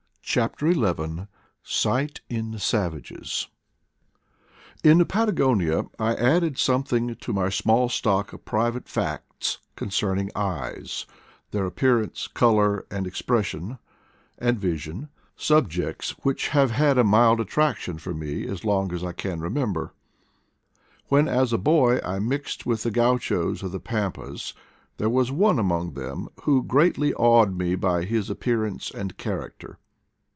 CHAPTER XI SIGHT IN SAVAGES TN Patagonia I added something to my small * stock of private facts concerning eyes — their appearance, color, and expression — and vision, subjects which have had a mild attraction for me as long as I can remember. When, as a boy, I mixed with the ganchos of the pampas, there was one among them who greatly awed me by his appearance and character.